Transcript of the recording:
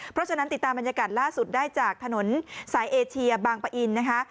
เพราะฉะนั้นติดตามบรรยากาศล่าสุดได้จากถนนสายเอเชียบางปะอินนะคะ